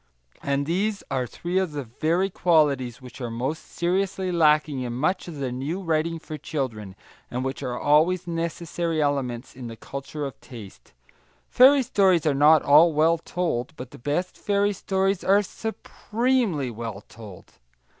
And these are three of the very qualities which are most seriously lacking in much of the new writing for children, and which are always necessary elements in the culture of taste. Fairy stories are not all well told, but the best fairy stories are supremely well told.